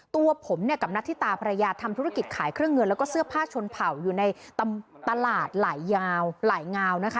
ตัวผมเนี่ยกับนัทธิตาภรรยาทำธุรกิจขายเครื่องเงินแล้วก็เสื้อผ้าชนเผ่าอยู่ในตลาดหลายยาวหลายงาวนะคะ